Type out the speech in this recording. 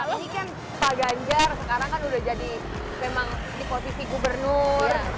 apalagi kan pak ganjar sekarang kan udah jadi memang di posisi gubernur